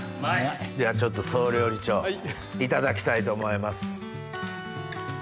ではちょっと総料理長いただきたいと思います。